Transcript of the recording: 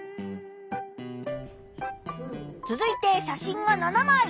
続いて写真が７まい。